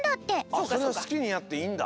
あっそれはすきにやっていいんだ。